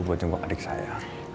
buat jemput adik saya